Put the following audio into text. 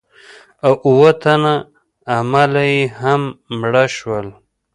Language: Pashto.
او اووه تنه عمله یې هم مړه شول.